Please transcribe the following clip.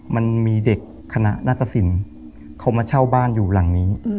มันมีเด็กคณะนัตตสินเขามาเช่าบ้านอยู่หลังนี้